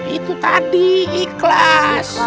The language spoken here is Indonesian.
itu tadi ikhlas